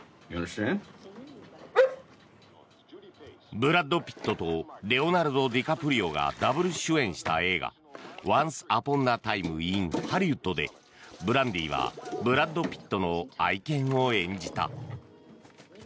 ブラッド・ピットとレオナルド・ディカプリオがダブル主演した映画「ワンス・アポン・ア・タイム・イン・ハリウッド」でブランディはブラッド・ピットの愛犬を演じた。